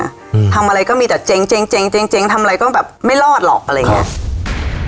อืมทำอะไรก็มีแต่เจ๊งเจ๊งเจ๊งเจ๊งเจ๊งทำอะไรก็แบบไม่รอดหรอกอะไรอย่างเงี้ย